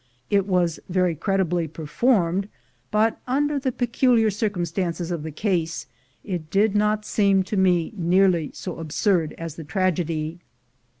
It was very creditably performed, but, under the peculiar circumstances of the case, it did not sound to me nearly so absurd as the tragedy.